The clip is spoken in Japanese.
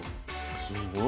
すごい。